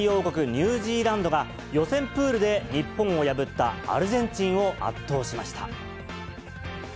ニュージーランドが、予選プールで日本を破ったアルゼンチンを圧倒しました。